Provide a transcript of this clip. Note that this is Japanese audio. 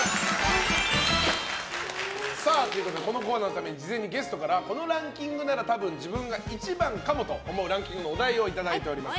このコーナーのために事前にゲストからこのランキングなら多分自分が１番かもと思うランキングのお題をいただいております。